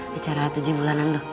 bicara tujuh bulanan lu